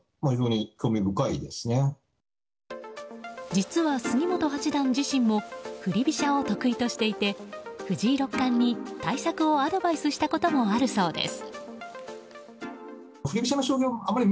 実は杉本八段自身も振り飛車を得意としていて藤井六冠に対策をアドバイスしたこともあるそうです。